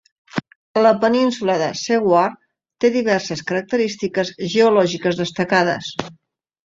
La península de Seward té diverses característiques geològiques destacades.